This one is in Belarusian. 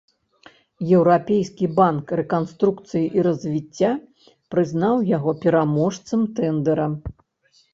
Еўрапейскі банк рэканструкцыі і развіцця прызнаў яго пераможцам тэндэра.